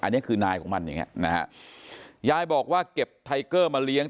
อันนี้คือนายของมันอย่างเงี้นะฮะยายบอกว่าเก็บไทเกอร์มาเลี้ยง